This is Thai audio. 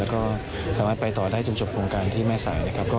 แล้วก็สามารถไปต่อได้จนจบโครงการที่แม่สายนะครับ